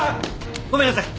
ごめんなさい。